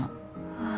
ああ。